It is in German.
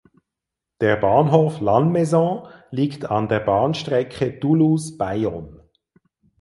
Der Bahnhof Lannemezan liegt an der Bahnstrecke Toulouse–Bayonne.